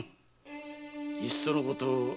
いっそのこと